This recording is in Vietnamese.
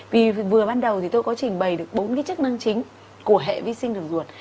vì vừa ban đầu thì tôi có trình bày được bốn cái chức năng chính của hệ vi sinh đường ruột